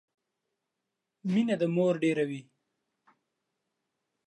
مينه د مور ډيره وي